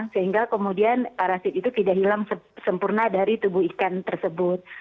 sehingga kemudian parasit itu tidak hilang sempurna dari tubuh ikan tersebut